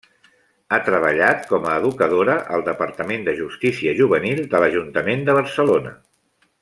Ha treballat com a educadora al Departament de Justícia Juvenil de l'Ajuntament de Barcelona.